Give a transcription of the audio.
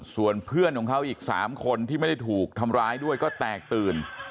ส่วนเพื่อนของเขาอีก๓คนที่ไม่ได้ถูกทำร้ายด้วยก็แตกตื่น